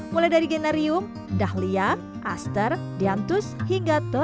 mulai dari generium dahlia aster dianthus hingga taurinia